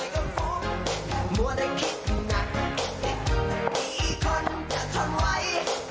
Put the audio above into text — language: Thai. อีกน้อยก็พบมัวได้คิดหนักนี่คนจะทนไว้